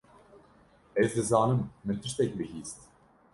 Ez dizanim min tiştek bihîst.